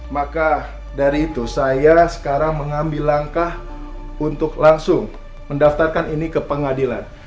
maka dari itu saya sekarang mengambil langkah untuk langsung mendaftarkan ini ke pengadilan